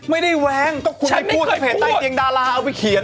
เม่ได้แว๊งก็คุณไม่พูดครึ่งะเอาตั้งแต่เกงดาราเอาไปเขียนะ